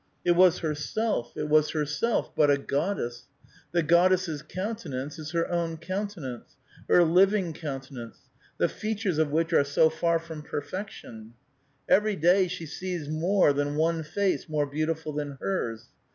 It was herself ; it was hereelf , but a goddess. The goddess' countenance is her own coun tenance, her living countenance, the features of which are so far from perfection ; every day she sees more than one face more beautiful than liers.